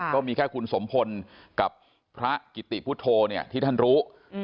ก็มีแค่คุณสมพลกับพระกิติพุทธโธเนี่ยที่ท่านรู้